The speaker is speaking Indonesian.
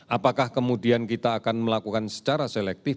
apakah kemudian kita akan melakukan secara selektif